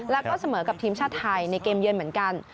แล้วก็เสมอกับทีมชาติไทยในเกมเยือนเหมือนกัน